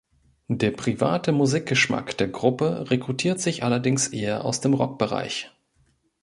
Der private Musikgeschmack der Gruppe rekrutiert sich allerdings eher aus dem Rockbereich.